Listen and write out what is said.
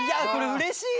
うれしい！